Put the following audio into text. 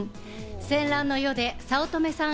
戦乱の世で早乙女さん